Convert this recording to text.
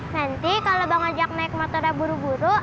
nanti kalau bang ojak naik motornya buru buru